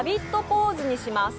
ポーズにします。